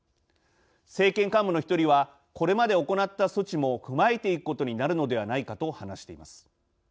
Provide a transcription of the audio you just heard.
政権幹部の１人は「これまで行った措置も踏まえていくことになるのではないか」と話しています。